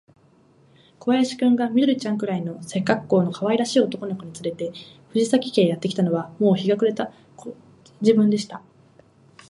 小林君が、緑ちゃんくらいの背かっこうのかわいらしい男の子をつれて、篠崎家へやってきたのは、もう日の暮れがた時分でした。